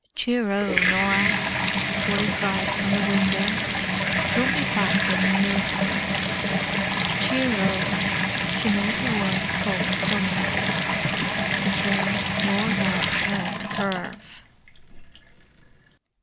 "Cheero, Norah!" Wally cried from the window. "We'll be back in no time!" "Cheero!" She made the word come somehow. The train roared off round the curve.